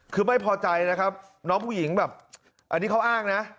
คือไม่พอใจนะครับน้องผู้หญิงแบบอันนี้เขาอ้างนะ